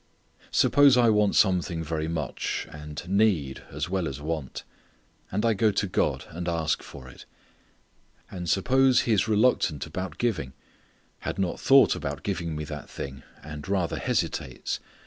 Suppose I want something very much and need as well as want. And I go to God and ask for it. And suppose He is reluctant about giving: had not thought about giving me that thing; and rather hesitates.